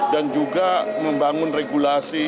dan juga membangun regulasi